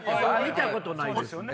見たことないです。